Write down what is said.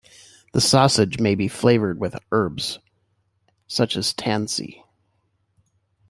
The sausage may be flavoured with herbs, such as tansy.